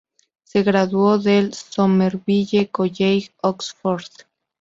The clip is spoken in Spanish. Se graduó del Somerville College, Oxford.